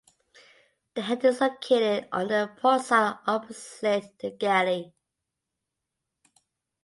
The head is located on the port side opposite the galley.